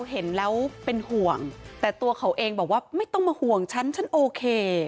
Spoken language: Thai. เห็นแล้วเป็นห่วงแต่ตัวเขาเองบอกว่าไม่ต้องมาห่วงฉันฉันโอเค